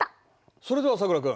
それではさくら君。